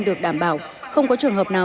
được đảm bảo không có trường hợp nào